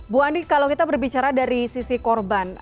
bu andi kalau kita berbicara dari sisi korban